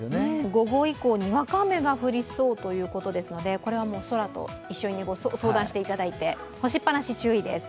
午後以降、にわか雨が降りそうということですのでこれは空と一緒に相談していただいて干しっぱなし注意です。